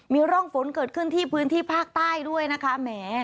มีร่องฝนเกิดขึ้นที่พื้นที่ภาคใต้ด้วยนะคะแหม